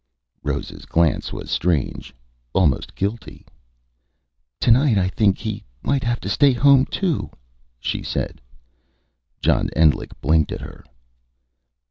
Rose's glance was strange almost guilty. "Tonight I think he might have to stay home too," she said. John Endlich blinked at her.